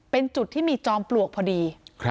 เป็นจุดที่มีจอมปลวกพอดี